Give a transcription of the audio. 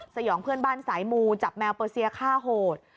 สยองเพื่อนบ้านสายมูจับแมวเปอร์เซียฆ่าโหด